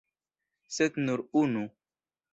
Sed nur unu!